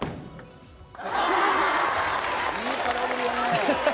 いい空振りだね。